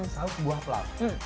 saus buah plak